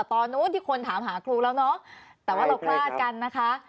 ทุกคนถามหาครูแล้วเนอะแต่ว่าเราพลาดกันนะคะ